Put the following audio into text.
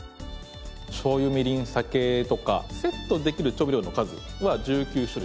醤油みりん酒とかセットできる調味料の数は１９種類。